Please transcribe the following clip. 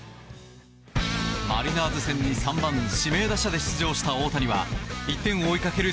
マリナーズ戦に３番指名打者で出場した大谷は１点を追いかける